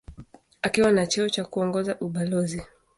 Akiwa na cheo cha kuongoza ubalozi.